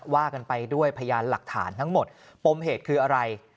ว่ากันไปด้วยพยานหลักฐานทั้งหมดปมเหตุคืออะไร